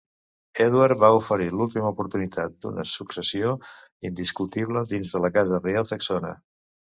Edward va oferir l'última oportunitat d'una successió indiscutible dins de la casa reial saxona.